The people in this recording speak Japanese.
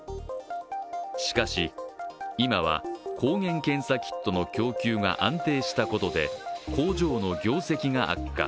しかし、今は抗原検査キットの供給が安定したことで工場の業績が悪化。